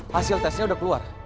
hasil tesnya udah keluar